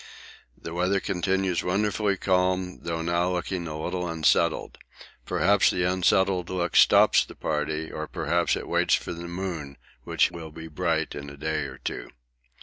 The weather continues wonderfully calm though now looking a little unsettled. Perhaps the unsettled look stops the party, or perhaps it waits for the moon, which will be bright in a day or two.